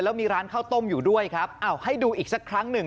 แล้วมีร้านข้าวต้มอยู่ด้วยครับอ้าวให้ดูอีกสักครั้งหนึ่ง